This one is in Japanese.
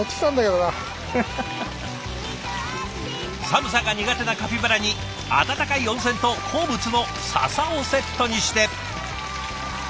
寒さが苦手なカピバラに温かい温泉と好物のササをセットにして。